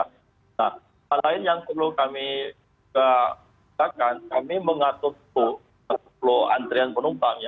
nah hal lain yang perlu kami katakan kami mengatur antrian penumpang